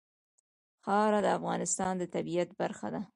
خاوره د افغانستان د طبیعت برخه ده.